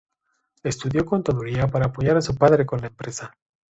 Estudió contaduría para apoyar a su padre con la empresa.